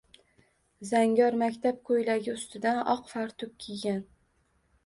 Zangor maktab ko‘ylagi ustidan oq fartuk kiygan.